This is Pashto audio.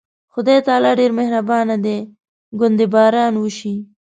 خدای تعالی ډېر مهربانه دی، ګوندې باران وشي.